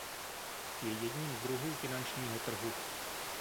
Je jedním z druhů finančního trhu.